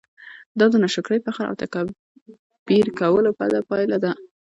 دا د ناشکرۍ، فخر او تکبير کولو بده پايله ده!